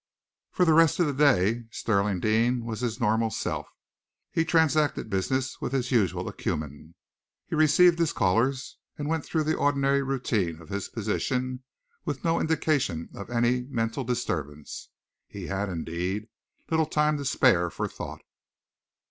For the rest of the day, Stirling Deane was his normal self. He transacted business with his usual acumen. He received his callers, and went through the ordinary routine of his position, with no indication of any mental disturbance. He had, indeed, little time to spare for thought.